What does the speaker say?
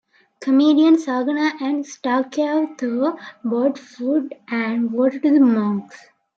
Comedian Zarganar and star Kyaw Thu brought food and water to the monks.